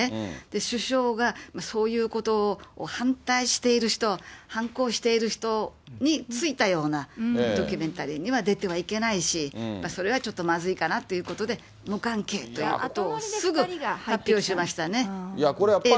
首相がそういうこと反対している人、反抗している人についたようなドキュメンタリーには出てはいけないし、それはちょっとまずいかなということで、無関係ということこれ。